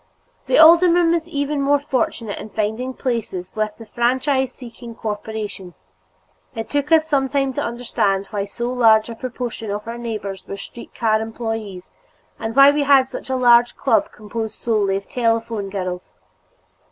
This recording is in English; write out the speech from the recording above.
The alderman was even more fortunate in finding places with the franchise seeking corporations; it took us some time to understand why so large a proportion of our neighbors were street car employees and why we had such a large club composed solely of telephone girls.